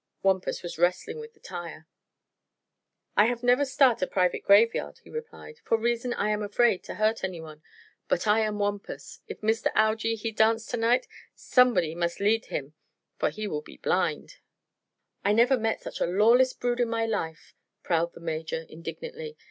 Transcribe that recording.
Wampus was wrestling with the tire. "I have never start a private graveyard," he replied, "for reason I am afraid to hurt anyone. But I am Wampus. If Mister Algy he dance to night, somebody mus' lead him, for he will be blind." "I never met such a lawless brood in my life," prowled the Major, indignantly.